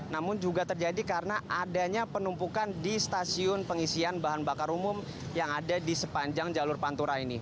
namun juga terjadi karena adanya penumpukan di stasiun pengisian bahan bakar umum yang ada di sepanjang jalur pantura ini